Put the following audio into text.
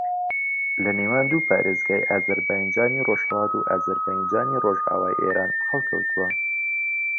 لە نێوان دوو پارێزگای ئازەربایجانی ڕۆژھەڵات و ئازەربایجانی ڕۆژاوای ئێران ھەڵکەوتووە